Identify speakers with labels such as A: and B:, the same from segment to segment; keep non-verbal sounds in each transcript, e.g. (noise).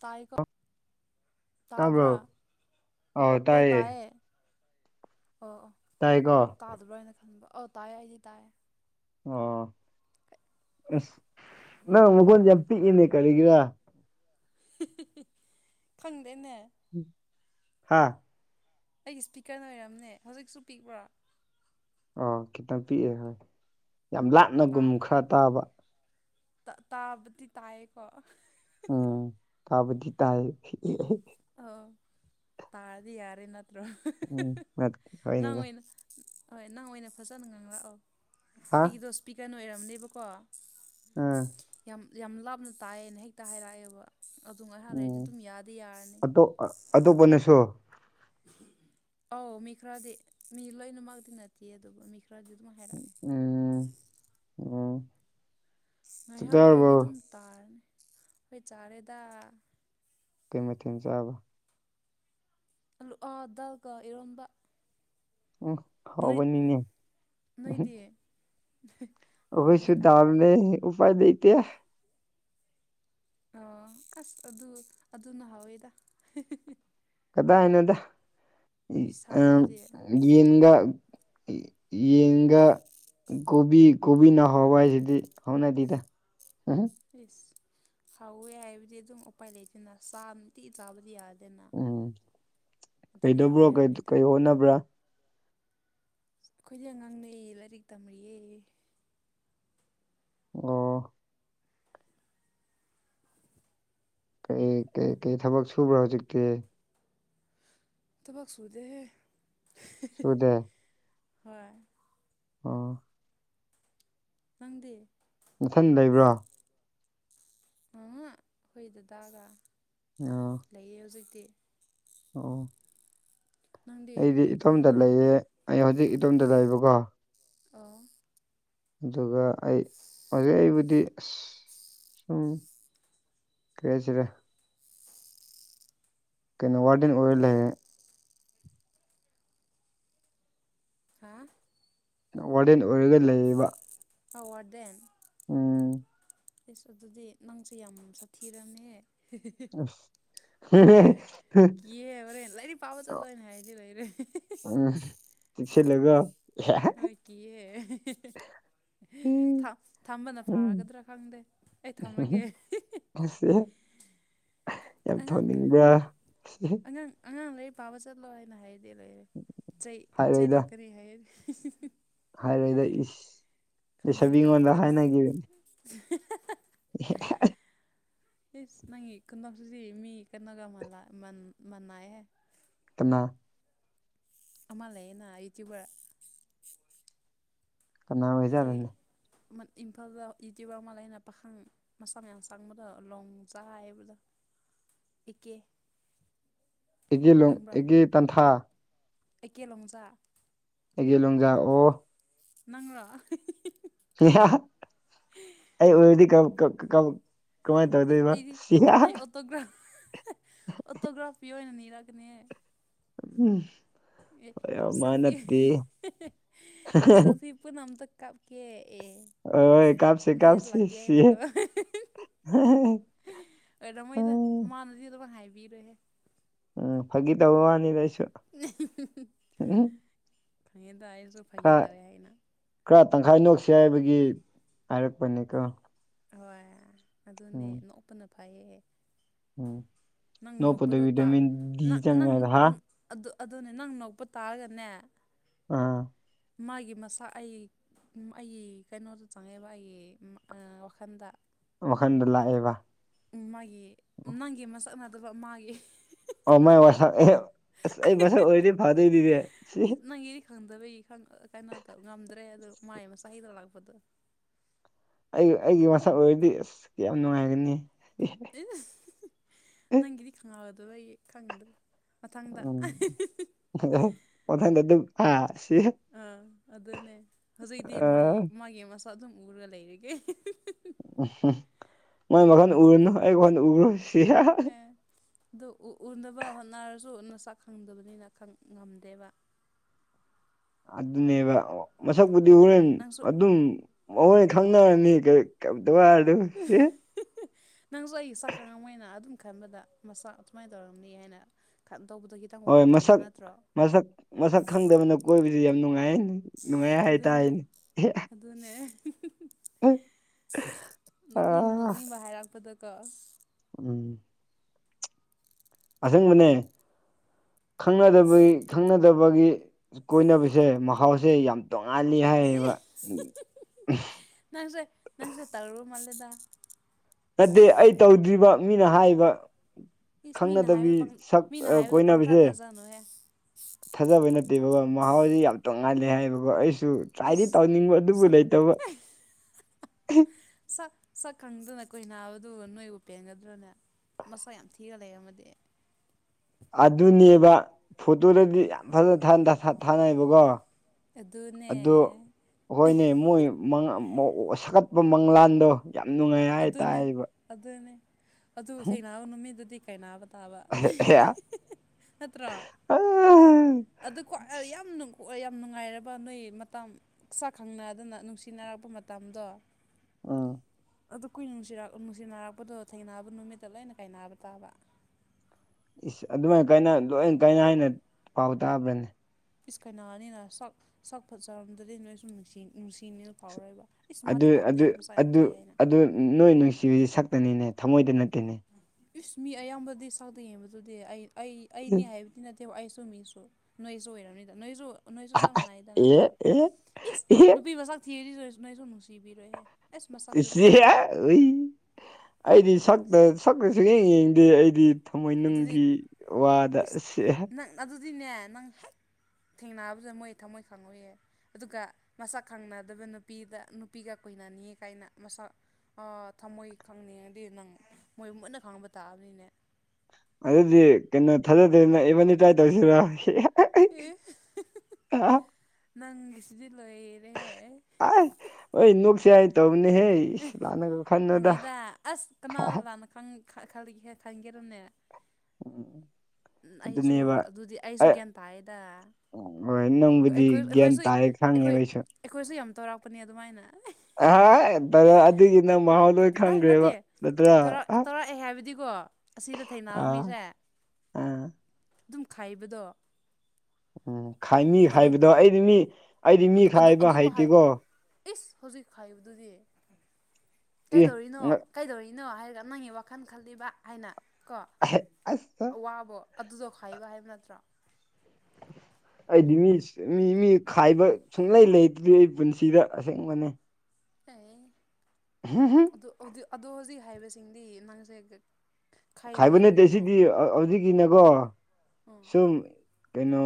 A: ꯁꯥꯏꯀꯣ
B: ꯇꯥꯕ꯭ꯔꯣ
A: ꯇꯥꯗ꯭ꯔꯥ ꯑꯣ ꯇꯥꯏꯌꯦ ꯑꯣ
B: ꯇꯥꯏꯒꯣ
A: ꯇꯥꯗꯕ꯭ꯔꯣ ꯍꯥꯏꯅ ꯈꯟꯕ ꯑꯧ ꯇꯥꯏꯌꯦ ꯑꯩꯗꯤ ꯇꯥꯏꯌꯦ
B: ꯑꯣ ꯑꯁ ꯅꯪ ꯃꯒꯣꯟꯁ ꯌꯥꯝ ꯄꯤꯛꯏꯅꯦ ꯀꯔꯤꯒꯤꯔ
A: ꯈꯪꯗꯦꯅꯦ
B: ꯍꯥꯥ
A: ꯑꯩꯒꯤ ꯏꯁ꯭ꯄꯤꯀꯔꯅ ꯑꯣꯏꯔꯝꯅꯦ ꯍꯧꯖꯤꯛꯁꯨ ꯄꯤꯛꯄ꯭ꯔꯥ
B: ꯑꯣ ꯈꯤꯇꯪ ꯄꯤꯛꯑꯦ ꯍꯣꯏ ꯌꯥꯝ
A: ꯇꯥ
B: ꯂꯥꯞꯅꯒꯨꯝ ꯈꯔ ꯇꯥꯕ
A: ꯇꯥꯕꯗꯤ ꯇꯥꯏꯌꯦꯀꯣ
B: ꯎꯝ ꯇꯥꯕꯗꯤ ꯇꯥꯏ
A: ꯑꯣ ꯇꯥꯗꯤ ꯌꯥꯔꯦꯅꯠꯇꯣ
B: ꯎꯝ ꯍꯣꯏꯅꯤꯗ
A: ꯅꯉꯩꯅ ꯍꯣꯏ ꯅꯪ ꯑꯣꯏꯅ ꯐꯖꯅ ꯉꯥꯡꯪꯂꯛꯑꯣ
B: ꯍꯥ
A: ꯑꯩꯒꯤꯗꯣ ꯏꯁꯄꯤꯀꯔꯅ ꯑꯣꯏꯔꯝꯅꯦꯕꯀꯣ
B: ꯎꯝ
A: ꯌꯥꯝ ꯌꯥꯝ ꯂꯥꯞꯅ ꯇꯥꯏꯌꯦꯅ ꯍꯦꯛꯇ ꯍꯥꯏꯔꯛꯑꯦꯕ ꯑꯗꯨꯝ ꯑꯩꯍꯥꯟꯗꯩꯗꯤ ꯑꯗꯨꯝ ꯌꯥꯔ ꯍꯔꯤꯌꯥꯅꯤ
B: ꯞ ꯑꯇꯣꯞꯄꯅꯁꯨ
A: ꯑꯧ ꯃꯤ ꯈꯔꯗꯤ ꯃꯤ ꯂꯣꯏꯅꯃꯛꯇꯤ ꯅꯠꯇꯦ ꯑꯗꯨ ꯃꯤ ꯈꯔꯗꯤ ꯑꯗꯨꯝ ꯍꯥꯏꯔꯛꯑꯦ
B: ꯎꯝ ꯑꯣ
A: ꯉꯥꯏꯍꯥꯛ ꯂꯩꯗꯤ ꯑꯗꯨꯝ ꯇꯥꯔꯅꯤ ꯍꯣꯏ ꯆꯥꯔꯦꯗ
B: ꯀꯩꯃꯦ ꯊꯅ ꯆꯥꯕ
A: ꯑꯜꯂꯨ ꯑꯥ ꯗꯥꯜꯒꯣ ꯏꯔꯣꯟꯕ
B: ꯎꯝ
A: ꯅꯣꯏ
B: ꯍꯥꯎꯕꯅꯤꯅꯦ
A: ꯅꯣꯏꯗꯤ ꯍꯥꯎꯋꯦ
B: ꯍꯧꯈꯣꯏꯁꯨ
A: ꯍꯥꯏꯇꯥꯔꯦ
B: ꯊꯝꯅꯦ ꯎꯥꯏ ꯂꯩꯇ
A: ꯑ ꯑꯁ ꯑꯗꯨ ꯑꯗꯨꯅ ꯍꯥꯎꯋꯦꯗ
B: ꯀꯗꯥꯏꯏꯅꯣꯗ
A: ꯏꯁ
B: ꯑ
A: ꯍꯥꯎꯕꯗꯨꯗꯤ
B: ꯌꯦꯟꯒ ꯌꯦꯡꯒ ꯀꯣꯕꯤ ꯀꯣꯕꯤ ꯍꯧꯕ ꯍꯥꯏꯁꯤꯗꯤ ꯍꯧꯥꯎꯅꯗꯦꯗ ꯎ
A: ꯑꯦꯁ ꯍꯥꯎꯋꯦ ꯍꯥꯏꯕꯗꯤ ꯑꯗꯨꯝ ꯎꯄꯥꯏ ꯂꯩꯗꯅ ꯆꯥ ꯝꯇꯤ ꯆꯥꯕꯗꯤ ꯌꯥꯗ꯭ꯔꯦ
B: ꯎꯝ
A: ꯍꯥꯎꯋꯦ
B: ꯀꯩꯗꯧꯕ꯭ꯔꯣ
A: ꯍꯥꯏꯕꯅꯤꯗ
B: ꯀꯩ ꯍꯣꯠꯅꯕ꯭ꯔꯥ
A: ꯑꯩꯈꯣꯏꯁꯦ ꯑꯉꯥꯡꯅꯩꯌꯦ ꯂꯥꯏꯔꯤꯛ ꯇꯝꯔꯤꯌꯦ
B: ꯑꯣ ꯀꯩ ꯀꯩꯀꯩ ꯊꯕꯛ ꯁꯨꯕ꯭ꯔꯣ ꯍꯧꯖꯤꯛꯇꯤ
A: ꯇꯕꯥꯛ ꯁꯨꯗꯦꯦ
B: ꯁꯨꯗꯦ
A: ꯍꯣꯏ
B: ꯑꯥ
A: ꯐꯪꯗꯦ
B: ꯃꯊꯟ ꯂꯩꯕ꯭ꯔꯣ
A: ꯃꯉ ꯍꯈꯣꯏꯗꯗꯥꯒ
B: ꯑ
A: ꯂꯩꯌꯦ ꯍꯧꯖꯤꯛꯇꯤ
B: ꯑꯣ
A: ꯅꯪꯗꯤ
B: ꯑꯩꯗꯤ
A: ꯀꯩ ꯀꯩ
B: ꯏꯇꯣꯝꯇ
A: ꯍꯣꯠꯅꯔꯤꯒꯦ
B: ꯂꯩꯌꯦꯦ ꯑꯩ ꯍꯧꯖꯤꯛ ꯏꯇꯣꯝꯇ ꯂꯩꯕꯀꯣ
A: ꯑ
B: ꯑꯗꯨꯒ ꯑꯩ ꯍꯧꯖꯤꯛ ꯑꯩꯕꯨꯗꯤ ꯑꯁ ꯁꯨꯝ ꯀꯦꯖꯤꯔꯦ ꯀꯩꯅꯣ ꯋꯥꯔꯗꯦꯟ ꯑꯣꯏꯔꯜ ꯂꯩ ꯍꯥꯏꯔꯦ
A: ꯍꯥꯥ
B: ꯋꯥꯔꯗꯦꯟ ꯑꯣꯏꯔꯒ ꯂꯩꯌꯦꯕ
A: ꯑꯋꯥꯔ ꯗꯦꯟ
B: ꯑꯣꯝ
A: ꯏꯁꯁ ꯑꯗꯨꯗꯤ ꯅꯪꯁꯨꯦ ꯌꯥꯝ ꯁꯥꯊꯤꯔꯝꯃꯦ
B: ꯑ (unintelligible)
A: ꯌꯦꯕꯔꯦꯟ ꯂꯥꯏꯗꯤ ꯄꯥꯕ ꯆꯠꯂꯣꯏꯅꯦ ꯍꯥꯏꯗꯤ ꯂꯩꯣꯏꯔꯦ
B: ꯎꯝ ꯄꯁꯦꯂꯒ
A: ꯍ ꯀꯑꯦ
B: ꯎꯝ
A: ꯊꯝꯕꯅ
B: ꯎꯝ
A: ꯐꯔꯒꯗ꯭ꯔꯥ ꯈꯪꯗꯦ ꯑꯩ ꯊꯝꯃꯒꯦ
B: ꯑꯁꯦ
A: ꯑꯉꯥꯡ ꯑꯉꯥꯡ ꯑꯉꯥꯡ ꯂꯔꯤ ꯄꯥꯕ ꯆꯠꯂꯣ ꯍꯥꯏꯅ ꯍꯥꯏ ꯂꯩꯔꯦ ꯆꯍꯤ ꯆꯍꯤꯩ
B: ꯍꯥꯏꯔꯣꯏꯗ
A: ꯂꯥꯛꯀꯅꯤ ꯍꯥꯏ
B: ꯍꯥꯏꯔꯣꯏꯗ
A: ꯈꯪꯗꯦꯗ
B: ꯂꯩꯁꯕꯤꯉꯣꯟꯗ
A: ꯀꯅꯥ
B: ꯍꯥꯏꯅꯈꯤꯕꯅꯤ
A: (inaudible)
B: (unintelligible)
A: ꯏꯁ ꯅꯪꯒꯤ ꯀꯗꯣꯛꯁꯤꯗꯤ ꯃꯤ ꯀꯩꯅꯣꯒ ꯃꯜ ꯂꯑꯦ
B: ꯏꯠꯇꯅ
A: ꯑꯃꯃꯂꯅ ꯌꯨꯇꯌꯨꯕꯔ
B: ꯀꯅꯥ ꯑꯣꯏꯖꯗꯅꯦ
A: ꯏꯝꯐꯥꯜ ꯌꯨꯇ꯭ꯌꯕ ꯑꯃ ꯃꯥꯂꯥꯏꯅ ꯄꯥꯈꯪ ꯃꯁꯥꯛ ꯌꯥꯝꯌꯥꯝ ꯆꯪꯕꯗ ꯂꯣꯡ ꯆꯥ ꯍꯥꯏꯕꯗ ꯄꯤꯛꯀꯦ
B: ꯑꯩꯒꯤꯦ ꯂꯣꯡ ꯑꯩꯒꯤ ꯇꯟꯊꯥ
A: ꯑꯩꯀꯦ ꯂꯣꯡꯖꯥ
B: ꯑꯩꯒꯦ ꯂꯣꯡꯖꯥꯛ ꯑꯣ
A: ꯅꯪ꯭ꯔꯣ
B: ꯑꯩ ꯑꯣꯏꯔꯗꯤ ꯀꯃꯥꯏꯅ ꯇꯧꯗꯣꯏꯕ ꯁꯤꯌꯥ
A: ꯑꯣꯣ꯭ꯔꯥ ꯑꯣꯇꯣꯒ꯭ꯔꯥꯐꯤ ꯑꯣꯏꯅꯅꯅꯤꯔꯥ ꯀꯅꯤ
B: ꯎꯝ ꯃꯥ
A: ꯁꯣꯐꯤ
B: ꯅꯠꯇꯦ
A: ꯁꯣꯐꯤ ꯄꯅꯝꯗ ꯀꯥꯞꯀꯦ ꯑꯦ
B: ꯍꯣꯏ ꯀꯥꯞꯁꯤ
A: ꯃꯣꯏ
B: ꯀꯥꯞꯁꯤ
A: ꯂꯀꯦ
B: ꯁꯤ
A: ꯏꯅꯀꯣ ꯑꯣꯏꯔꯝꯃꯣꯏꯗ
B: ꯎꯝ
A: ꯃꯥꯅꯗꯤ ꯑꯗꯨꯝ ꯍꯥꯏꯕꯤꯔꯨꯍꯦ
B: ꯎꯝ ꯐꯥꯒꯤ ꯇꯕ ꯋꯥꯅꯤꯗ ꯑꯩꯁꯨ
A: ꯐꯪꯉꯦꯗ ꯑꯩꯁꯨ ꯐꯈꯤ
B: ꯈꯔ
A: ꯇꯧꯋꯦ ꯍꯥꯏꯅ
B: ꯈꯔ ꯇꯪꯈꯥꯏ ꯅꯣꯛꯁꯤ ꯍꯥꯏꯕꯒꯤ ꯍꯥꯏꯔꯛꯄꯅꯦꯀꯣ
A: ꯍꯣꯏ ꯑꯗꯨꯅꯦ ꯅꯣꯛꯄꯅ ꯐꯩꯌꯦ
B: ꯎꯨꯝ
A: ꯅꯪ ꯅꯣꯛꯄꯗꯣ ꯅꯪ ꯅꯪ
B: ꯆꯪꯉꯦꯗ ꯍꯥ
A: ꯑꯗꯨꯅꯦ ꯅꯪ ꯅꯣꯛꯄ ꯇꯥꯔꯒꯅꯦ
B: ꯑꯥ
A: ꯃꯥꯒꯤ ꯃꯁꯥ ꯑꯩ ꯑꯩꯒꯤ ꯀꯩꯅꯣꯗ ꯆꯪꯉꯦꯕ ꯑꯩꯒꯤ ꯋꯥꯈꯜꯗ
B: ꯋꯥꯈꯟꯗ ꯂꯥꯛꯑꯦꯕ
A: ꯃꯥꯒꯤ ꯅꯪꯒꯤ ꯃꯁꯛꯅꯅꯥꯗꯕ ꯃꯥꯒꯤ
B: ꯑꯣ ꯃꯥꯏ ꯋꯁꯥꯛ ꯑꯩ ꯃꯁꯛ ꯑꯣꯏꯔꯗꯤ ꯐꯥꯗꯣꯏꯅꯤꯅꯦ ꯁꯤꯌꯦꯁ
A: ꯅꯪꯒꯤꯗꯤ ꯈꯪꯗꯕꯒꯤ ꯀꯩꯅꯣ ꯉꯝꯗ꯭ꯔꯦ ꯑꯗꯣ ꯃꯥꯏ ꯃꯆꯥ ꯍꯩꯗꯂꯥꯛꯄꯗꯣ
B: ꯑꯩ ꯑꯩꯒꯤ ꯃꯁꯛ ꯑꯣꯏꯔꯗꯤ ꯑꯁ ꯀ ꯌꯥꯝ ꯅꯨꯡꯉꯥꯏꯒꯅꯤ
A: ꯅꯪꯒꯤꯗꯤ ꯈꯪꯉꯛꯒꯗꯕ ꯑꯩ ꯈꯪꯗꯕ ꯃꯊꯪꯗ
B: ꯑꯣꯊ ꯑꯗꯨꯝ ꯁꯤ
A: ꯑ ꯑꯗꯨꯅꯦ ꯍꯧꯖꯤꯛꯗꯤ ꯃꯥ
B: ꯑꯥ
A: ꯃꯥꯒꯤ ꯃꯁ ꯑꯗꯨꯝ ꯎꯔꯒ ꯂꯩꯔꯒꯦ
B: ꯎꯝ ꯃꯣꯏ ꯃꯈꯟ ꯎꯔꯨꯅꯨ ꯑꯩ ꯋꯥꯈꯅ ꯎꯔꫭ
A: ꯑꯦ ꯑꯗꯨ ꯎꯅꯕ ꯍꯣꯠꯅꯔꯁꯨ ꯅꯁꯛ ꯈꯪꯗꯕꯅꯤꯅ ꯉꯝꯗꯦꯕ
B: ꯑꯗꯨꯅꯦꯕ ꯃꯁꯛꯄꯨꯗꯤ
A: ꯍꯣꯏ
B: ꯍꯣꯔꯦꯟ
A: ꯅꯪꯁꯨ
B: ꯑꯗꯨꯝ ꯍꫭꯔꯦꯟ ꯈꯪꯅꯔꯅꯤ ꯋꯥꯔꯨꯅꯨ
A: ꯅꯪꯁꯨ ꯑꯩ ꯆꯥꯛ ꯈꯪꯉꯝꯕꯣꯏꯅ ꯑꯗꯨꯝ ꯈꯟꯕꯗ ꯃꯁꯥꯛ ꯑꯗꯨꯃꯥꯏꯅ ꯇꯧꯔꯝꯅꯤ ꯍꯥꯏꯅ ꯈ ꯇꯧꯕꯗꯒꯤ
B: ꯍꯣꯏ ꯃꯁꯛ ꯃꯁꯛ ꯃꯁꯛ ꯈꯪꯗꯕꯅ ꯀꯣꯏꯕꯁꯤ ꯌꯥꯝ ꯅꯨꯡꯉꯥꯏ ꯍꯥꯏꯅꯤ
A: ꯑꯗꯨꯅꯦ ꯑꯗꯨꯅꯦ
B: ꯎꯝ
A: ꯅꯣꯛꯅꯤꯡ ꯅꯣꯛꯅꯤꯡꯕ ꯍꯥꯏꯔꯛꯄꯗꯀꯣ
B: ꯎꯝ ꯑꯁꯪꯕꯅꯦ ꯈꯪꯅꯗꯕꯒꯤ ꯈꯪꯅꯗꯕꯒꯤ ꯀꯣꯏꯅꯕꯁꯦ ꯃꯍꯥꯎꯁꯦ ꯌꯥꯝ ꯇꯣꯡꯉꯥꯜꯂꯤ
A: ꯏ
B: ꯍꯥꯏꯌꯦꯕ
A: ꯅꯪꯁꯦ ꯅꯪꯁꯨ ꯇꯧꯔꯨꯔ ꯃꯥꯜꯂꯦꯗ
B: ꯅꯠꯇꯦ ꯑꯩ ꯇꯧꯗ꯭ꯔꯤꯕ ꯃꯤꯅ ꯍꯥꯏꯕ
A: ꯏꯁ ꯃꯤꯅ ꯍꯥꯏꯕꯗꯣ ꯃꯤꯅ ꯍꯥꯏꯕꯗꯣ ꯄꯪꯊ ꯊꯥꯖꯅꯨꯍꯦ
B: ꯊꯥꯖꯕꯩ ꯅꯠꯇꯦꯕꯀꯣ ꯃꯍꯥꯎꯁꯦ ꯌꯥꯝ ꯇꯣꯡꯉꯥꯜꯂꯦ ꯍꯥꯏꯌꯦꯕꯀꯣ ꯑꯩꯁ ꯨ ꯇ꯭ꯔꯥꯏꯗꯤ
A: ꯏꯁ
B: ꯇꯧꯅꯤꯡꯕ ꯑꯗꯨꯕꯨ
A: ꯁꯛ
B: ꯂꯩꯇꯕ
A: ꯁꯛ ꯁꯛ ꯈꯪꯗꯅ ꯀꯈꯣꯏ ꯅꯥꯕꯗꯨ ꯅꯣꯏꯕꯨ ꯄꯦꯟꯒꯗ꯭ꯔꯣꯅꯦ ꯃꯁꯥ ꯌꯥꯝ ꯊꯤꯔ ꯂꯩ ꯑꯃꯗꯤ
B: ꯑꯗꯨꯅꯦꯕ ꯐꯣꯇꯣꯗꯗꯤ ꯌꯥꯝ ꯐꯖꯅ ꯊꯥꯅꯩꯕꯀꯣ
A: ꯑꯗꯨꯅꯦ
B: ꯑꯣ ꯍꯣꯏꯅꯦ ꯃꯣꯏ ꯁꯥꯒꯠꯄ ꯃꯪꯂꯥꯟꯗꯣ ꯌꯥꯝ ꯅꯨꯡꯉꯥꯏ
A: ꯑꯗꯨꯅꯦ
B: ꯍꯥꯏꯇꯥꯕ
A: ꯑꯗꯨꯅꯦ ꯑꯗꯨ ꯊꯦꯡꯅꯥꯕ ꯅꯨꯃꯤꯗꯨꯗꯤ ꯀꯥꯏꯅꯥꯕ ꯇꯥꯕ ꯅꯠꯇ꯭ꯔꯣ ꯑꯗꯨ ꯌꯥꯝ ꯅꯨꯡ ꯍꯣꯛ ꯌꯥꯝ ꯅꯨꯡꯉꯥꯏꯔꯕ ꯅꯣꯏ ꯃꯇꯝ ꯁꯛ ꯈꯪꯅꯗꯅ ꯅꯨꯡꯁꯤꯅꯔꯛꯄ ꯃꯇꯝꯗꯣ
B: ꯑꯥ
A: ꯑꯗꯨ ꯀꯨꯏ ꯅꯨꯡꯁꯤꯔ ꯅꯨꯡꯁꯤꯅꯔꯛꯄꯗꯣ ꯊꯦꯡꯅꯕ ꯅꯨꯃꯤꯠꯇ ꯂꯣꯏꯅ ꯀꯥꯏ ꯅꯥꯕ ꯇꯥꯕ
B: ꯏꯁ ꯑꯗꯨꯃꯥꯏ ꯀꯥꯏꯅ ꯂꯣꯏ ꯀꯥꯏꯅ ꯍꯥꯏꯅ ꯄꯥꯎ ꯇꯥꯕ꯭ꯔꯅꯦ
A: ꯏꯁ ꯈꯩꯅꯥꯅꯤꯅ ꯁꯛ ꯁꯛ ꯐꯖꯔꯝꯗꯗꯤ ꯅꯣꯏꯁꯨ ꯅꯨꯡꯁꯤꯅꯦꯅ ꯐꯥꯎꯔꯣꯏꯕ ꯏꯁ
B: ꯑꯗꯨ
A: ꯃꯥꯗꯤ
B: ꯑꯗꯨ
A: ꯄꯥꯝꯗꯦꯗ ꯃꯁꯛ ꯌꯥꯝ
B: ꯑꯗꯨ
A: ꯊꯤ ꯍꯥꯏꯅ
B: ꯑꯗꯨ ꯅꯣꯏ ꯅꯨꯡꯁꯤꯕꯕꯁꯤ ꯁꯛꯇꯅꯤꯅꯦ ꯊꯃꯣꯏꯗ ꯅꯠꯇꯦꯅꯦ
A: ꯏꯁ ꯃꯤ ꯑꯌꯥꯝꯕꯗꯤ ꯁꯛꯇ ꯌꯦꯡꯕꯗꯨꯗꯤ ꯑꯩ ꯑꯩ ꯑꯩꯅꯤ ꯍꯥꯏ ꯀꯤꯅꯗꯤ ꯑꯥꯏꯁꯁꯨ ꯃꯤꯁꯣ ꯅꯥꯏꯖꯨ ꯑꫭꯏꯔꯝꯅꯤꯗ ꯅꫭꯏꯖꯨ ꯅꯣꯏꯁꯨ ꯆꯞ ꯃꯥꯟꯅꯥꯏꯗ
B: ꯑꯦ
A: ꯅꯠꯇ꯭ꯔꯣ
B: ꯑꯦ
A: ꯏꯁ
B: ꯑꯦ
A: ꯅꯨꯄꯤ ꯃꯁꯥꯛ ꯊꯤꯔꯗꯤ ꯅꯣꯏꯁꯨ ꯅꯨꯡꯁꯤꯕꯤꯔꯣꯏꯍꯦ ꯑꯁ ꯃꯁꯛꯇꯨꯗꯤ ꯍꯥꯏꯅ ꯍꯥꯏꯅꯤ
B: (unintelligible) ꯑꯩꯗꯤ ꯁꯛꯇ ꯁꯛꯇ ꯁꯨꯡꯌꯦꯡ ꯌꯦꯡꯗꯦ ꯑꯩꯗꯤ
A: ꯑꯗꯨꯗꯤ
B: ꯊꯃꯣꯏꯅꯨꯡꯒꯤ ꯋꯥꯗ
A: ꯏꯁ
B: ꯑꯁꯦ
A: ꯅꯪ ꯑꯗꯨꯗꯤꯅꯦ ꯅꯪ ꯍꯦꯛ ꯊꯦꯡꯅꯕꯗ ꯃꯣꯏ ꯊꯝꯃꯣꯏ ꯈꯪꯉꯨꯌꯦ ꯑꯗꯨꯒ ꯃꯁꯛ ꯈꯪꯅꯗꯕ ꯅꯨꯄꯤꯗ ꯅꯨꯄꯤꯒ ꯀ‌ꯣꯏꯅꯅꯤ ꯀꯥꯏꯅ ꯃꯁꯛ ꯑꯣ ꯊꯝꯃꯣꯏ ꯈꯪꯅꯤꯡꯉꯗꯤ ꯅꯪ ꯃꯣꯏ ꯃꯨꯟꯅ ꯈꯪꯕ ꯇꯥꯕꯅꯤꯅꯦ
B: ꯑꯗꯨꯗꯤ ꯀꯩꯅꯣ ꯊꯥꯖꯗꯦꯅ ꯏꯕꯅꯤ ꯇ꯭ꯔꯥꯏ ꯇꯧꯁꯤꯔꯣ
A: ꯑꯦ ꯅꯪꯒꯤꯁꯤꯗꯤ ꯂꯣꯏꯔꯦꯍꯦ
B: ꯑꯥꯏ ꯍꯣꯏ ꯅꯣꯛꯁꯦ ꯍꯥꯏꯅ ꯇꯧꯕꯅꯦꯍꯦ ꯏꯁ ꯂꯥꯟꯅꯒ ꯈꯟꯅꯨꯗ
A: ꯈꯪ ꯈꯜꯂꯤꯍ‌ꯦ ꯈꯪꯒꯦꯔꯣꯅꯦ
B: ꯎꯝ
A: ꯎ ꯑꯩꯁꯨ
B: ꯑꯗꯨꯅꯦꯕ
A: ꯑꯗꯨꯗꯤ ꯑꯩꯁꯨ
B: ꯑꯩ
A: ꯒ꯭ꯌꯥꯟ ꯇꯥꯏꯌ‌ꯦꯗ
B: ꯍꯣꯏ ꯅꯪꯕꯨꯗꯤ ꯒ꯭ꯌꯥꯟ ꯇꯥꯏ
A: ꯑꯩꯈꯣꯏ
B: ꯈꯪꯉꯦꯕ ꯑꯩꯁꯨ
A: ꯑꯩꯈꯣꯏꯁꯨ ꯌꯥꯝ ꯇꯧꯔꯥꯛꯄꯅꯦ ꯑꯗꯨꯃꯥꯏꯅ ꯑꯦ
B: ꯑ ꯇꯧꯔꯛꯑꯗꯤ ꯅꯪ ꯃꯍꯥꯎ ꯂ‌ꯣꯏ
A: ꯇꯥꯏ ꯅꯠꯇꯦ ꯇꯧꯔ ꯇꯧꯔꯛꯑꯦ ꯍꯥꯏꯕꯗꯤꯀꯣ ꯑꯁꯤꯗ ꯊꯦꯡꯅꯕ ꯃꯤꯁꯦ
B: ꯑ
A: ꯑꯗꯨꯝ ꯈꯥꯏꯕꯗꯣ
B: ꯎꯝ ꯈꯥꯏꯅꯤ
A: ꯑꯗꯨ
B: ꯍꯥꯏꯕꯗꯣ ꯑꯩꯗꯤ ꯃꯤ ꯑꯩꯗꯤ ꯃꯤ
A: ꯑꯗꯨ ꯑꯗꯨ
B: ꯈꯥꯏꯕ
A: ꯑꯗꯨꯕꯨ ꯍꯥꯏ
B: ꯍꯩꯇꯦꯀꯣ
A: ꯏꯁ ꯍꯧꯖꯤꯛ ꯈꯥꯏꯕꯗꯨꯗꯤ
B: ꯑꯦ
A: ꯀꯩꯗꯧꯔꯤꯅꯣ
B: ꯉ
A: ꯀꯩꯗꯧꯔꯤꯅꯣ ꯍꯥꯏꯔꯒ ꯅꯪꯒꯤ ꯋꯥꯈꯜ ꯈꯜꯂꯤꯕ ꯍꯥꯏꯅ ꯀꯣ
B: ꯑꯍꯦ ꯑꯁ
A: ꯑꯋꯥꯕꯣ ꯑꯗꯨꯗꯣ ꯈꯥꯏꯕ ꯍꯥꯏꯕ ꯅꯠꯇ꯭ꯔꯣ
B: ꯑꯩꯗꯤ ꯃꯤ ꯃꯤ ꯃꯤ ꯈꯥꯏꯕ ꯁꯨꯡꯂꯩ ꯂꯩꯇ꯭ꯔꯤ ꯑꯩ ꯄꯨꯟꯁꯤꯗ ꯑꯁꯦꯡꯕꯅꯦ
A: ꯑꯩ
B: (unintelligible)
A: ꯑꯗ‌ꯣ ꯑꯗꯣ ꯍꯧꯖꯤꯛ ꯍꯥꯏꯕꯁꯤꯡꯗꯤ ꯅꯪꯖ‌ꯦ ꯒ
B: ꯈꯥꯏꯕ ꯅꯠꯇꯦ ꯁꯤꯗꯤ ꯍꯧꯖꯤꯛꯀꯤꯅ‌ꯦꯀꯣ
A: ꯑꯥ
B: ꯁꯨꯝ ꯀꯩꯅꯣ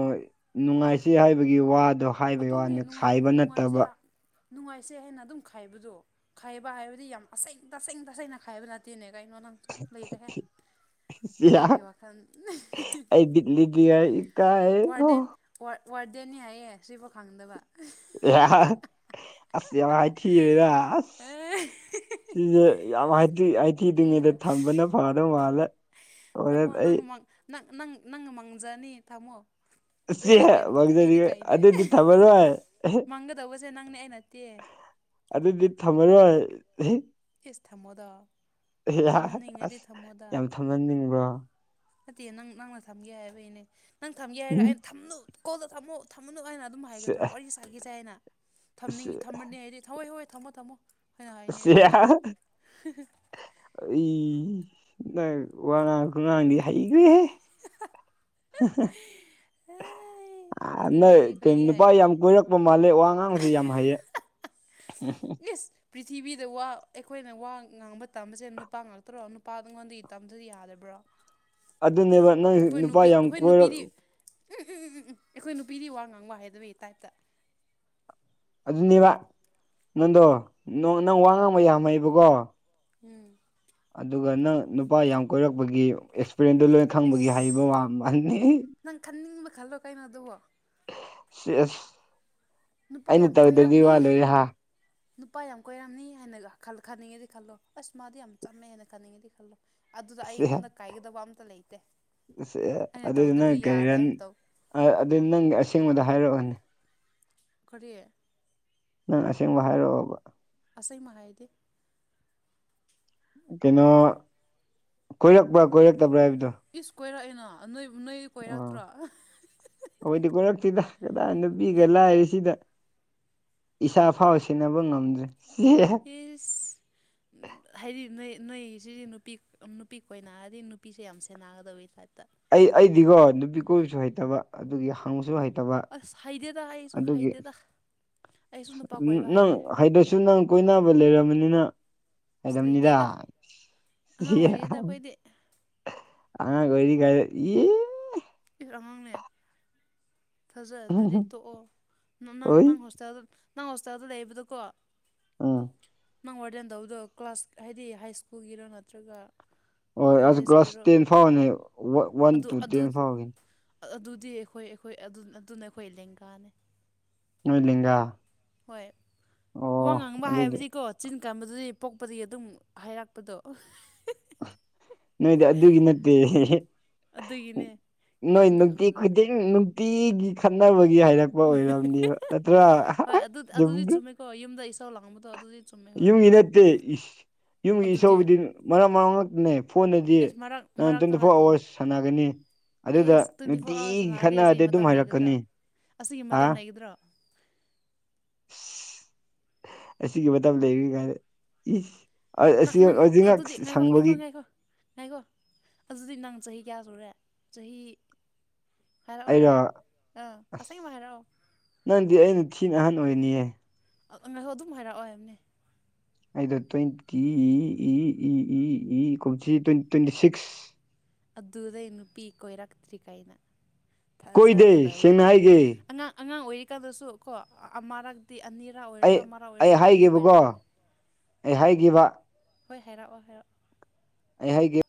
B: ꯅꯨꯡꯉꯥꯏꯁꯤ ꯍꯥꯏꯕꯒꯤ ꯋꯥꯗꯣ ꯍꯥꯏꯕꯩ
A: ꯑꯗꯨꯅꯦ
B: ꯋꯥꯅꯤ
A: ꯅꯨꯡꯉꯥꯏ
B: ꯈꯥꯏꯕ
A: ꯅꯨꯡꯉꯥꯏꯁꯦ
B: ꯅꯠꯇꯕ
A: ꯅꯨꯡꯉꯥꯏꯁꯦ ꯍꯥꯏꯅ ꯑꯗꯨꯝ ꯈꯥꯏꯕꯗꯣ ꯈꯥꯏꯕ ꯍꯥꯏꯕꯗꯤ ꯌꯥꯝ ꯑꯁꯦꯡ ꯇꯁꯦꯡ ꯇꯁꯦꯡꯅ ꯈꯥꯏꯕ ꯅꯠꯇꯦꯅꯦ ꯀꯩꯅꯣ ꯅꯪꯁꯨ ꯂꯩꯔꯦꯍ‌ꯦ
B: ꯌꯥ
A: ꯅꯪꯒꯤ ꯋꯥꯈꯟ
B: ꯑꯩ ꯕꯤꯠ ꯂꯩꯇꯦ
A: (unintelligible)
B: ꯏꯀꯥꯏ
A: ꯋꯥꯔꯗꯦꯟ ꯋꯥ ꯋꯥꯔꯗꯦꯅꯤ ꯍꯥꯏꯌꯦ ꯁꯤꯐꯥꯎ ꯈꯪꯗꯕ
B: ꯑꯁ ꯌꯥꯝ ꯍꯥꯏꯊꯤꯔ‌ꯦꯗ ꯑꯖ
A: ꯑꯦ
B: ꯁꯤꯁꯦ ꯌꯥꯝ ꯍꯥꯏꯊꯤ ꯍꯥꯏꯊꯤꯗ꯭ꯔꯤꯉꯩꯗ ꯊꯝꯕꯅ ꯐꯗꯧ ꯃꯥꯜꯂꯦ ꯍꯣꯔꯦꯟ
A: ꯊꯥꯃꯣ
B: ꯑꯩ
A: ꯅꯪꯪ ꯃꯥꯡ ꯅꯪ ꯅꯪ ꯅꯪ ꯃꯥꯡꯖꯅꯤ ꯊꯥꯃꯣ
B: ꯆꯦ
A: ꯑꯩꯗꯤ ꯀꯩꯝꯇ
B: ꯃꯪꯖꯔꯤ
A: ꯑꯩꯗꯤ ꯀꯥꯏꯗꯦ
B: ꯑꯗꯨꯗꯤ ꯊꯝꯃꯔꯣꯏ
A: ꯃꯥꯡꯒꯗꯧꯕꯁꯦ ꯅꯪꯅꯦ ꯑꯩ ꯅꯠꯇꯦ
B: ꯑꯗꯨꯗꯤ ꯊꯝꯃꯔꯣꯏ
A: ꯏꯁ ꯊꯝꯃꯣꯗꯣ ꯊꯝꯅꯤꯡꯉꯗꯤ ꯊꯝꯃꯣꯗ
B: ꯊꯝꯍꯟꯅꯤꯡꯕꯔ‌ꯣ
A: ꯅꯠꯇꯦ ꯅꯪ ꯅꯪꯅ ꯊꯝꯒꯦ ꯍꯥꯏꯕꯩꯅꯦ ꯅꯪ ꯊꯝꯒꯦ ꯍꯥꯏꯔꯒ ꯑꯩꯅ ꯊꯝꯅꯨ ꯀꯣꯜꯗ‌ꯣ ꯊꯝꯃꯨ ꯊꯝꯃꯨꯅꯨ ꯍꯥꯏꯅ ꯑꯗꯨꯝ ꯍꯥꯏꯒꯗ꯭ꯔꯣ ꯋꯥꯔꯤ ꯁꯥꯈꯤꯁꯦ ꯍꯥꯏꯅ ꯊꯝꯅꯤꯡ ꯊꯝꯃꯅꯤ ꯍꯥꯏꯗꯤ ꯊ ꯍ‌ꯣꯏ ꯍꯣꯏ ꯊꯝꯃꯣ ꯊꯝꯃꯣ ꯍꯥꯏꯅ ꯍꯥꯏꯅꯤ
B: ꯁꯤꯌꯥ
A: ꯑꯩꯁꯨ
B: (unintelligible) ꯑꯩ ꯅꯪ ꯋꯥꯉꯥꯡ ꯈꯨꯉꯥꯡꯗꯤ ꯍꯩꯈ꯭ꯔꯦꯍꯦ
A: (unintelligible)
B: ꯍꯥꯍꯥ
A: ꯑꯦ
B: ꯑ
A: ꯑꯗꯨꯅꯦ
B: ꯅ‌ꯣꯏ ꯀꯩ
A: ꯑꯩꯈꯣꯏꯗꯤ
B: ꯅꯨꯄꯥ
A: ꯍꯥꯏꯕꯅꯦ
B: ꯌꯥꯝ ꯀ‌ꯣꯏꯔꯛ ꯃꯥꯜꯂꯦ ꯋꯥ ꯉꯥꯡꯕꯁꯤ ꯌꯥꯝ ꯍꯩꯌꯦ
A: ꯏꯁ ꯄ꯭ꯔꯤꯊꯤꯕꯤꯗ ꯋꯥ ꯑꯩꯈꯣꯏꯅ ꯋꯥ ꯉꯥꯡꯕ ꯇꯝꯕꯁꯦ ꯅꯨꯄꯥ ꯉꯥꯛꯇꯔꯣ ꯅꯨꯄꯥ ꯅꯪꯉꯣꯟꯗꯩ ꯇꯝꯗ꯭ꯔꯗꯤ ꯌꯥꯗꯕ꯭ꯔꯣ
B: ꯑꯗꯨꯅꯦꯕ ꯅꯪ
A: ꯑꯩꯈꯣꯏ
B: ꯅꯨꯄꯥ
A: ꯅꯨꯄꯤ
B: ꯌꯥꯝ
A: ꯑꯩꯈꯣꯏ
B: ꯀꯣꯏꯔꯛ
A: ꯅꯨꯄꯤꯗꯤ ꯎꯝ ꯎꯝ ꯎꯝ ꯎꯝ ꯑꯩꯈꯣꯏ ꯅꯨꯄꯤꯗꯤ ꯋꯥ ꯉꯥꯡꯕ ꯍꯥꯏꯗꯕꯒꯤ ꯇꯥꯏꯞꯇ
B: ꯑꯗꯨꯅꯦꯕ ꯅꯪꯗꯣ ꯅ ꯅꯪ ꯋꯥ ꯉꯥꯡꯕ ꯌꯥꯝ ꯍꯩꯕꯀꯣ
A: ꯎꯝ
B: ꯑꯗꯨꯒ ꯅꯪ ꯅꯨꯄꯥ ꯌꯥꯝ ꯀꯣꯏꯔꯛꯄꯒꯤ ꯑꯦꯛꯁꯄꯤꯔꯦꯟꯁꯗꯣ ꯂꯣꯏꯅ ꯈꯪꯕꯒꯤ ꯍꯩꯕ
A: ꯏꯁ
B: ꯋꯥꯅꯤ
A: ꯅꯪ ꯈꯟꯅꯤꯡꯕ ꯈꯜꯂꯣ ꯀꯩꯅꯣ ꯑꯗꯨꯕꯣ
B: ꯁꯤ ꯑꯁ
A: ꯅꯨꯄꯥ
B: ꯑꯩꯅ
A: ꯌꯥꯝ
B: ꯇꯧꯗꯕꯗꯤ
A: ꯀꯣꯏꯔꯝꯅꯤ
B: ꯋꯥꯗꯣꯏꯔ ꯍꯥ
A: ꯅꯨꯄꯥ ꯌꯥꯝ ꯀꯣꯏꯔꯝꯅꯤ ꯍꯥꯏꯅꯒ ꯈꯜ ꯈꯟꯅꯤꯡꯉꯦꯗꯤ ꯈꯜꯂꯣ ꯑꯁ ꯃꯥꯗꯤ ꯌꯥꯝ ꯆꯝꯃꯦ ꯍꯥꯏꯅ ꯈꯟꯅꯤꯡꯉꯦꯗꯤ ꯈꯜꯂꯣ ꯑꯗꯨꯗ ꯑꯩꯉꯣꯟꯗ ꯀꯥꯏꯒꯗꯕ ꯑꯝꯇ ꯂꯩꯇꯦ ꯑꯩꯅ
B: ꯑꯗꯨꯗꯤ ꯅꯪ
A: ꯇꯧꯗ꯭ꯔꯗꯤ
B: ꯀꯔꯤ
A: ꯌꯥꯔꯦ
B: ꯔꯟ
A: ꯑꯩꯅ ꯇꯧ
B: ꯑꯗꯨ ꯅꯪ ꯑꯁꯦꯡꯕꯗꯣ ꯍꯥꯏꯔꯛꯑꯣꯅꯤ
A: ꯀꯔꯤ
B: ꯅꯪ ꯑꯁꯦꯡꯕ ꯍꯥꯏꯔꯛꯑꯣꯕ
A: ꯑꯁꯦꯡꯕ ꯍꯥꯏꯗꯤ
B: ꯀꯩꯅꯣ ꯀꯣꯏꯔꯛꯄ꯭ꯔꯥ ꯀꯣꯏꯔꯛꯇꯕ꯭ꯔꯥ ꯍꯥꯏꯕꯗꯣ
A: ꯏꯁ ꯀꯣꯏꯔꯛꯑꯦꯅ ꯅꯣꯏ ꯅꯣꯏ
B: ꯑꯥ
A: ꯀꯣꯏꯔꯛꯇ꯭ꯔꯣ ꯑꯦ
B: ꯑꯩꯈꯣꯏꯗꯤ ꯀꯣꯔꯛꯇꯤꯗ ꯀꯗꯥꯏ ꯅꯨꯄꯤꯒ ꯂꯥꯏꯔꯤꯁꯤꯗ ꯏꯁꯥ ꯐꯥꯎ ꯁꯦꯟꯅꯕ ꯉꯝꯗ꯭ꯔꯦ
A: ꯍꯥꯏꯗꯤ ꯅꯣꯏ ꯅꯣꯏ ꯁꯤꯗꯤ ꯅꯨꯄꯤ ꯅꯨꯄꯤ ꯀꯣꯏ ꯅꯥꯔꯗꯤ ꯅꯨꯄꯤꯁꯦ ꯌꯥꯝ ꯁꯦꯟꯅꯒꯗꯕꯩ ꯇꯥꯏꯞꯇ
B: ꯑꯩ ꯑꯩꯗꯤꯒꯣ ꯅꯨꯄꯤ ꯀꯣꯏꯕꯁꯨ ꯍꯩꯇꯕ ꯑꯗꯨꯒꯤ ꯍꯪꯉꯁꯨ ꯍꯩꯇꯕ
A: ꯑꯁ ꯍꯩꯗꯦꯗ ꯑꯩꯁꯨ
B: ꯑꯗꯨꯒꯤ
A: ꯍꯩꯗꯦꯗ
B: ꯅꯪ ꯍꯥꯏꯗꯁꯨ ꯅꯪ ꯀꯣꯏꯅꯕ ꯂꯩꯔꯕꯅꯤꯅ
A: ꯑꯁ
B: ꯍꯩꯔꯝꯅꯤꯗꯥ
A: ꯂꯩꯇꯦꯗ ꯑꯉꯥꯡ ꯑꯣꯏꯔꯤꯉꯩꯗ ꯑꯩꯈꯣꯏꯗꯤ
B: ꯑꯉꯥꯡ ꯑꯣꯏꯔꯤꯉꯩꯗ ꯌꯤ
A: ꯏ ꯑꯉꯥꯡꯅꯦ ꯊꯥꯖꯗꯔꯗꯤ ꯇꯣꯛꯑꯣ ꯅꯥ ꯅꯪ
B: ꯑꯣꯏ
A: ꯅꯪ ꯍꯣꯁꯇꯥꯜꯗ ꯅꯪ ꯍꯣꯁꯇꯥꯜꯗ ꯂꯩꯕꯗꯀꯣ
B: ꯎꯝ
A: ꯅꯪ ꯋꯥꯔꯗꯦꯟꯗꯧꯗꯣ ꯀ꯭ꯂꯥꯁ ꯍꯥꯏꯗꯤ ꯍꯥꯏ ꯁ꯭ꯀꯨꯜꯒꯤꯔꯣ ꯅꯠꯇ꯭ꯔꯒ
B: ꯍꯣꯏ ꯑꯁ ꯀ꯭ꯂꯥꯁ
A: ꯀꯣꯂꯦꯖꯀꯤꯔꯣ
B: ꯇꯦꯟ ꯐꯥꯎꯕꯅꯤ ꯋꯥꯟ
A: ꯑꯗꯨ
B: ꯇꯨ
A: ꯑꯗꯨ
B: ꯇꯦꯟ ꯐꯥꯎꯒꯤꯅꯤ
A: ꯑꯗꯨꯗꯤ ꯑꯩꯈꯣꯏ ꯑꯩꯈꯣꯏ ꯑꯗꯨꯅꯦ ꯑꯩꯈꯣꯏ ꯂꯦꯡꯒꯥꯅꯤ
B: ꯅꯣꯏ ꯂꯦꯡꯒꯥ
A: ꯍꯣꯏ ꯋꯥ
B: ꯑꯣ
A: ꯉꯥꯡꯕ
B: ꯑꯗꯨꯗꯤ
A: ꯍꯥꯏꯕꯗꯤꯀꯣ ꯆꯤꯟ ꯀꯥꯟꯕꯗꯨꯗꯤ ꯄꯣꯛꯄꯗꯒꯤ ꯑꯗꯨꯝ ꯍꯥꯏꯔꯛꯄꯗꯣ
B: ꯅꯣꯏꯗꯤ ꯑꯗꯨꯒꯤ ꯅꯠꯇꯦ
A: ꯑꯗꯨꯒꯤꯅꯦ
B: ꯅꯣꯏ
A: ꯀꯩꯝꯇ
B: ꯅꯨꯡꯇꯤ
A: ꯈꯪꯗꯅ
B: ꯈꯨꯗꯤꯡ ꯇꯤꯒꯤ ꯈꯠꯅꯕꯒꯤ ꯍꯥꯏꯔꯛꯄ ꯑꯣꯏꯔꯝꯅꯦꯕ ꯅꯠꯇ꯭ꯔꯥ
A: ꯑꯗꯨ ꯑꯗꯨꯗꯤ
B: ꯆꯨꯝꯒ꯭ꯔꯦ
A: ꯆꯨꯝꯃꯦꯀꯣ ꯍꯣꯏ ꯌꯨꯝꯗ ꯏꯁꯥꯎ ꯂꯥꯡꯕꯗꯣ ꯑꯗꯨꯗꯤ ꯆꯨꯝꯃꯦ ꯍꯣꯏ
B: ꯌꯨꯝꯒꯤ ꯅꯠꯇꯦ ꯌꯨꯝꯒꯤ
A: ꯑꯗꯨꯗꯤ
B: ꯏꯥꯎꯁꯕꯨꯗꯤ ꯃꯔꯛ ꯃꯔꯛ ꯃꯔꯛꯇꯅꯦ ꯐꯣꯟꯗꯗꯤ
A: ꯑꯦꯁ ꯃꯔꯛ
B: ꯅꯪ
A: ꯃꯔꯛꯇ
B: ꯇ꯭ꯋꯦꯟꯇꯤ ꯐꯣꯔ
A: ꯅꯠꯇꯦ
B: ꯑꯋꯥꯔꯁ ꯁꯥꯟꯅꯒꯅꯤ ꯑꯗꯨꯗ
A: ꯑꯦꯁ ꯇ꯭ꯋꯦꯟꯇꯤ ꯐꯣꯔ
B: ꯅꯨꯡꯇꯤꯒꯤ
A: ꯑꯋꯥꯔꯁ ꯁꯥꯟꯅꯔꯗꯤ
B: ꯈꯠꯅꯔꯗꯤ
A: ꯑꯁꯤꯒꯤ
B: ꯑꯗꯨꯝ
A: ꯃꯇꯝ ꯂꯩꯒꯗ꯭ꯔꯥ
B: ꯍꯥꯏꯔꯛꯀꯅꯤ
A: ꯑꯁꯤꯒꯤ
B: ꯍꯥ
A: ꯃꯇꯝ ꯂꯩꯒꯗ꯭ꯔꯣ
B: ꯑꯁꯤꯒꯤ ꯃꯇꯝ ꯂꯩꯔꯤ ꯀꯥꯟꯗ
A: ꯅꯪ ꯅꯪ ꯑꯗꯨꯗꯤ ꯉꯥꯏꯈꯣ ꯉꯥꯏꯈꯣ ꯉꯥꯏꯈꯣ ꯉꯥꯏꯈꯣ ꯑꯗꯨꯗꯤ ꯅꯪ ꯆꯍꯤ ꯀꯌꯥ ꯁꯨꯔꯦ ꯆꯍꯤ ꯍꯥꯏꯔꯛꯑꯣꯅꯦ
B: ꯑꯩꯔꯣ
A: ꯑꯥ
B: ꯑꯁ
A: ꯑꯁꯦꯡꯕ ꯍꯥꯏꯔꯛꯑꯣ
B: ꯅꯪꯗꯤ ꯑꯩꯅ ꯊꯤꯅ ꯑꯍꯟ ꯑꯣꯏꯅꯤꯌꯦ
A: ꯉꯥꯏꯍꯧ ꯑꯗꯨꯝ ꯍꯥꯏꯔꯛꯑꯣ ꯍꯥꯏꯕꯅꯦ
B: ꯑꯩꯗꯣ ꯇ꯭ꯋꯦꯟꯇꯤ ꯏ ꯏ ꯏ ꯏ ꯏ ꯀꯨꯝꯁꯤ ꯇ꯭ꯋꯦꯟ ꯇ꯭ꯋꯦꯟꯇꯤ ꯁꯤꯛꯁ
A: ꯑꯗꯨꯗꯩ ꯅꯨꯄꯤ ꯀꯣꯏꯔꯛꯇ꯭ꯔꯤ ꯀꯥꯏꯅ
B: ꯀꯣꯏꯗꯦ
A: ꯊꯥꯖꯒꯗꯧꯕꯩ
B: ꯁꯦꯡꯅ
A: ꯇꯥꯏꯞꯗ
B: ꯍꯥꯏꯒꯦ
A: ꯑꯉꯥꯡ ꯑꯉꯥꯡ ꯑꯣꯏꯔꯤꯀꯥꯟꯗꯁꯨ ꯀꯣ ꯑꯃꯔꯛ ꯇꯤ ꯑꯅꯤꯔꯥ
B: ꯑꯩ
A: ꯑꯣꯏꯔꯁꯨ ꯑꯃꯔꯥ
B: ꯑꯩ
A: ꯑꯣꯏꯔꯁꯨ ꯀꯣꯏꯗꯤ
B: ꯍꯥꯏꯒꯦꯕꯀꯣ
A: ꯀꯣꯏꯔꯛꯑꯅꯤ
B: ꯑꯩ ꯍꯥꯏꯒꯦꯕ
A: ꯍꯣꯏ ꯍꯥꯏꯔꯛꯑꯣ ꯍꯥꯏꯔꯛꯑꯣ
B: ꯑꯩ ꯍꯥꯏꯒꯦ